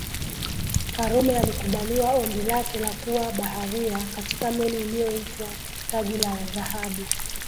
Karume alikubaliwa ombi lake la kuwa baharia katika meli iliyoitwa Taji la Dhahabu